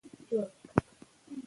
د سرطان ناروغانو ژوند اوږدوي.